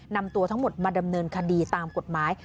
นำตัวทั้งหมดมาดำเนินคดีตามกฎหมาย